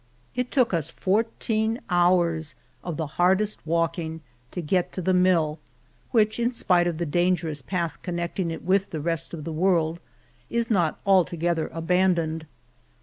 It took us fourteen hours of the hardest walking to get to the mill, which, in spite of the dangerous path connecting it with the rest of the world, is not altogether abandoned.